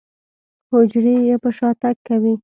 حجرې يې په شاتګ کوي.